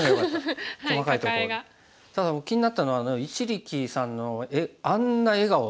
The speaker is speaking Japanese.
ただ僕気になったのは一力さんのあんな笑顔は。